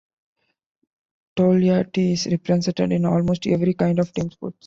Tolyatti is represented in almost every kind of team sports.